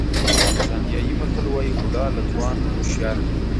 تانزانیايي متل وایي بوډا له ځوان هوښیار دی.